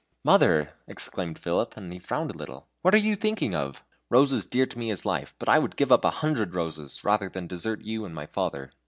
"Mother!" exclaimed Philip, and he frowned a little; "what are you thinking of? Rose is dear to me as my life, but I would give up a hundred Roses rather than desert you and my father.